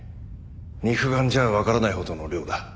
肉眼じゃわからないほどの量だ。